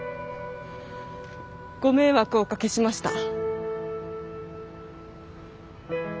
ご迷惑をおかけしました。